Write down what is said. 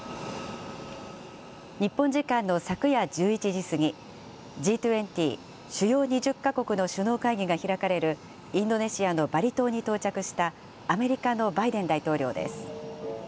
日本時間の昨夜１１時過ぎ、Ｇ２０・主要２０か国の首脳会議が開かれる、インドネシアのバリ島に到着したアメリカのバイデン大統領です。